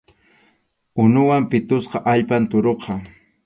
Unuwan pitusqa allpam tʼuruqa.